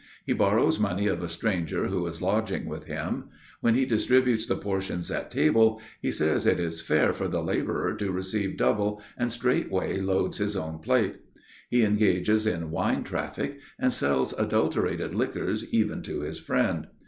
He borrows money of a stranger who is lodging with him. When he distributes the portions at table, he says it is fair for the laborer to receive double and straightway loads his own plate. He engages in wine traffic, and sells adulterated liquors even to his friend.